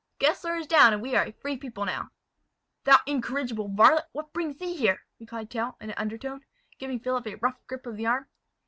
Gessler is down, and we are a free people now." "Thou incorrigible varlet, what brings thee here?" replied Tell, in an undervoice, giving Philip a rough grip of the arm.